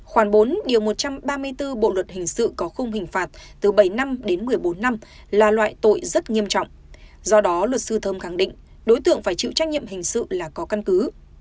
khoảng bốn điều một trăm ba mươi bốn bộ luật hình sự có khung hình phạt từ bảy năm đến một mươi bốn năm là loại tội rất nghiêm trọng do đó luật sư thơm khẳng định đối tượng phải chịu trách nhiệm hình sự là có căn cứ